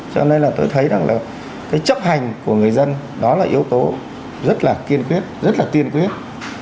cho nên là tôi thấy rằng là cái chấp hành của người dân đó là yếu tố rất là tiên quyết